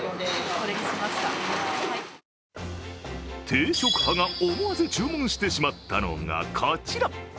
定食派が思わず注文してしまったのが、こちら。